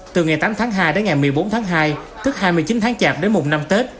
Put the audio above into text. từ ngày tám tháng hai đến ngày một mươi bốn tháng hai tức hai mươi chín tháng chạp đến mùng năm tết